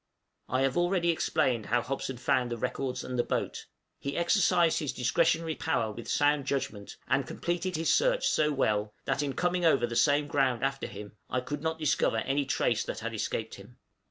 I have already explained how Hobson found the records and the boat: he exercised his discretionary power with sound judgment, and completed his search so well, that, in coming over the same ground after him, I could not discover any trace that had escaped him.